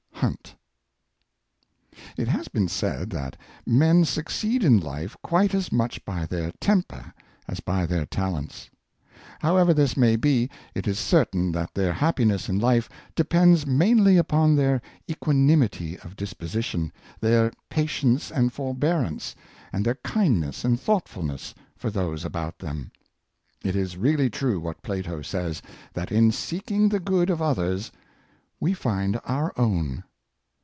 — Hunt. T has been said that men succeed in hfe quite as much by their temper as by their talents. However this maybe, it is certain that their hap piness in Hfe depends mainly upon their equani mity of disposition, their patience and forbearance, and their kindness and thoughtfulness for those about them. It is really true what Plato says, that in seeking the good of others we find our own.